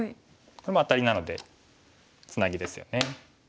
これもアタリなのでツナギですよね。